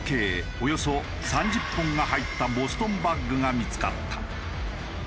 およそ３０本が入ったボストンバッグが見付かった。